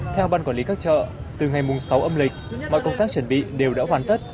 theo ban quản lý các chợ từ ngày sáu âm lịch mọi công tác chuẩn bị đều đã hoàn tất